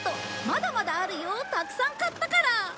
まだまだあるよたくさん買ったから。